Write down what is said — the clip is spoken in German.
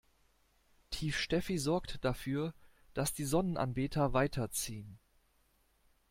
Tief Steffi sorgt dafür, dass die Sonnenanbeter weiterziehen.